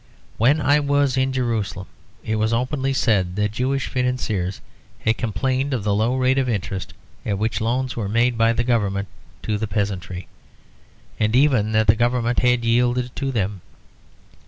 When I was in Jerusalem it was openly said that Jewish financiers had complained of the low rate of interest at which loans were made by the government to the peasantry, and even that the government had yielded to them.